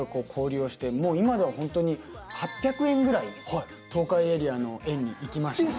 もう今では本当に８００園ぐらい東海エリアの園に行きましたね。